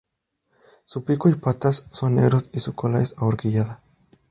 Su pico y patas son negros y su cola es ahorquillada.